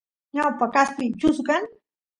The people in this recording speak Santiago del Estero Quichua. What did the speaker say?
ñawpa kaspi chusu kan